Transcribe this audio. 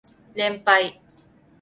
連敗